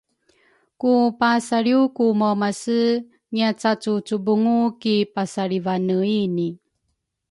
ku pasalriw ku umaumase ngiacacucubungu ki pasalivaneini.